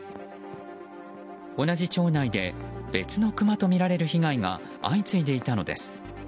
同じ町内で、別のクマとみられる被害が相次いでいたのです。